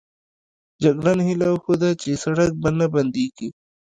جګړن هیله وښوده چې سړک به نه بندېږي.